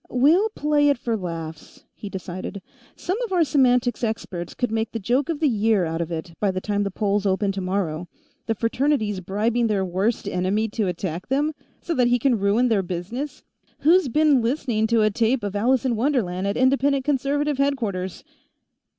"We'll play it for laughs," he decided. "Some of our semantics experts could make the joke of the year out of it by the time the polls open tomorrow. The Fraternities bribing their worst enemy to attack them, so that he can ruin their business; who's been listening to a tape of 'Alice in Wonderland' at Independent Conservative headquarters?"